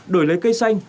đổi lấy cây xanh